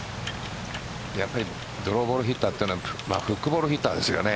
やっぱりドローボールヒッターというのはフックボールヒッターですよね。